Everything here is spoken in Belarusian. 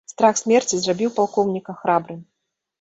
Страх смерці зрабіў палкоўніка храбрым.